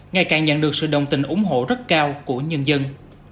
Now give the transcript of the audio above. ngày càng nhận được sự đồng tình ủng hộ rất cao của nhân dân